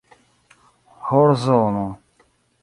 horzono